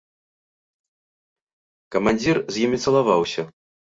Камандзір з імі цалаваўся.